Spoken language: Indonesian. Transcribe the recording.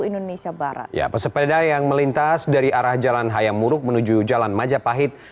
indonesia barat ya pesepeda yang melintas dari arah jalan hayam muruk menuju jalan majapahit